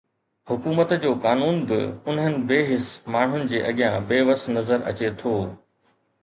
حڪومت جو قانون به انهن بي حس ماڻهن جي اڳيان بي وس نظر اچي ٿو